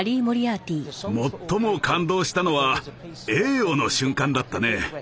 最も感動したのは「エーオ」の瞬間だったね。